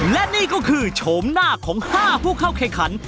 และนี่ก็คือโฉมหน้าของ๕ผู้เข้าแข่งขัน